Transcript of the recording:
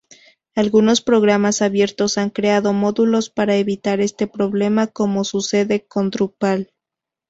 Algunos programas abiertos han creado módulos para evitar este problema, como sucede con Drupal.